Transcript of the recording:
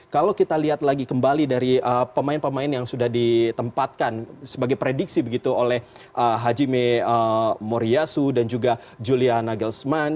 kalau kita lihat lagi kembali dari pemain pemain yang sudah ditempatkan sebagai prediksi begitu oleh hajime moriasu dan juga julia nagelsman